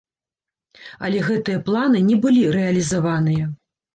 Але гэтыя планы не былі рэалізаваныя.